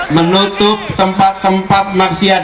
menutup tempat tempat maksiat